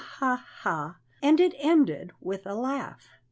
ha! and it ended with a laugh.